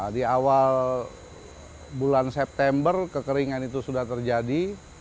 di awal bulan september kekeringan itu sudah terjadi